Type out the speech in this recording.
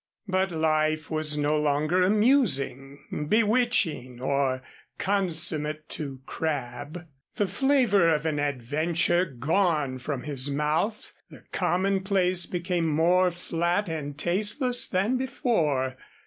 But life was no longer amusing, bewitching or consummate to Crabb. The flavor of an adventure gone from his mouth, the commonplace became more flat and tasteless than before.